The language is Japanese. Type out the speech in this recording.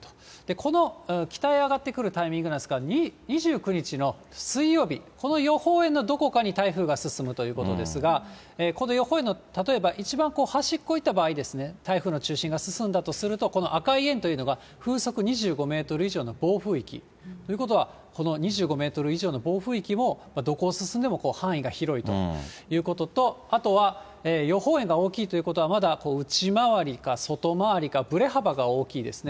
この北へ上がってくるタイミングなんですが、２９日の水曜日、この予報円のどこかに台風が進むということですが、この予報円の例えば一番端っこ行った場合、台風の中心が進んだとすると、この赤い円というのが、風速２５メートル以上の暴風域、ということは、この２５メートル以上の暴風域も、どこを進んでも範囲が広いということと、あとは予報円が大きいということは、まだ内回りか外回りか、ぶれ幅が大きいですね。